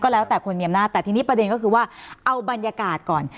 แล้วแต่คนมีอำนาจแต่ทีนี้ประเด็นก็คือว่าเอาบรรยากาศก่อน